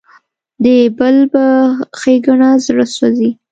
د بل په ښېګڼه زړه سوځي.